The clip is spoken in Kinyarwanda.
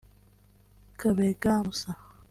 Kabega Musa